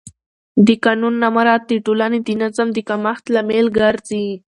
د قانون نه مراعت د ټولنې د نظم د کمښت لامل ګرځي